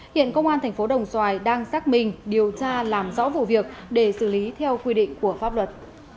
hiện công an thành phố đồng xoài đang xác minh điều tra làm rõ vụ việc để xử lý theo quy định của pháp luật